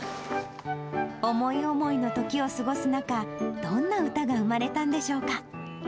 思い思いの時を過ごす中、どんな歌が生まれたんでしょうか。